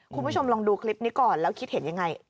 คุณผู้ชมลองดูคลิปนี้ก่อนแล้วคิดเห็นยังไง